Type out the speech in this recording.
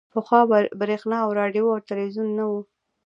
پخوا برېښنا او راډیو او ټلویزیون نه وو